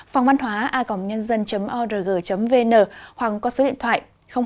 phòngvănhóa org vn hoặc con số điện thoại hai nghìn bốn trăm ba mươi hai sáu trăm sáu mươi chín năm trăm linh tám